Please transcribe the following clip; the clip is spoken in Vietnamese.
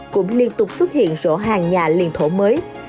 cũng liên tục xuất hiện rổ hàng nhà liên thổ mới